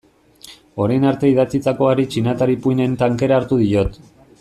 Orain arte idatzitakoari txinatar ipuin-en tankera hartu diot.